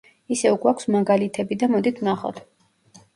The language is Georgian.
ისევ გვაქვს მაგალითები და მოდით ვნახოთ.